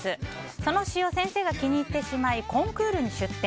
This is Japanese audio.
その詩を先生が気に入ってしまいコンクールに出展。